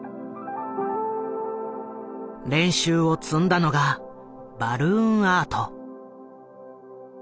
練習を積んだのがバルーンアート。